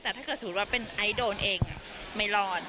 แต่ถ้าเกิดสมมุติว่าเป็นไอซ์โดนเองไม่รอด